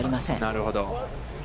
なるほど。